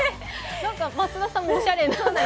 松田さんもおしゃれな。